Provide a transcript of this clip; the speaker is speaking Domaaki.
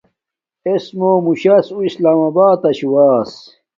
اِس مُوم موشس اُو اسلام آباتشوں ایس۔